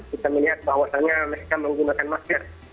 kita melihat bahwasannya mereka menggunakan masker